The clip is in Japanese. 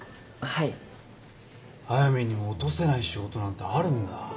はやみんにも落とせない仕事なんてあるんだ。